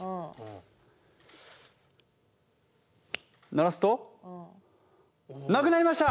鳴らすとなくなりました！